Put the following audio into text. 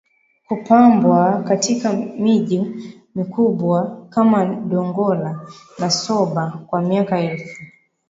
kupambwa katika miji mikubwa kama Dongola na Soba Kwa miaka elfu